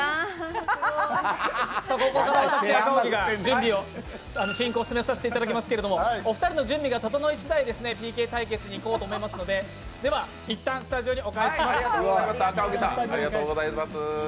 ここから私、赤荻が進行を務めさせていただきますがお二人の準備が整いしだい、ＰＫ対決にいこうと思いますので、いったんスタジオにお返しします。